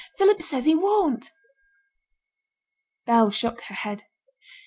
'Philip says he won't.' Bell shook her head.